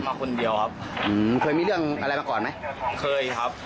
มาคนเดียวครับอืมเคยมีเรื่องอะไรมาก่อนไหมเคยครับ